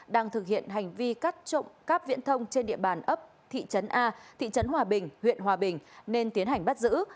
đang thực hiện hành vi cắt trộm cắp viễn thông trên địa bàn ấp thị trấn a thị trấn hòa bình huyện hòa bình nên tiến hành bắt giữ